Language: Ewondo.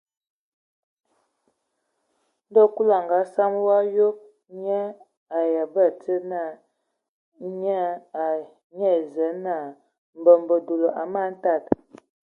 Ndɔ Kulu a ngasam wɔ a yob, nə a ayan ai batsidi, nye ai Zǝə naa: mbembe dulu, a man tad.